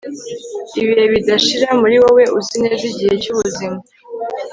ibihe bidashira muri wowe uzi neza igihe cyubuzima